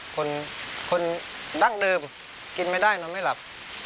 คนคนดั้งเดิมกินไม่ได้นอนไม่หลับ